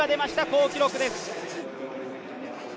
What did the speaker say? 好記録です。